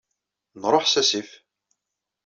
Nruḥ s asif.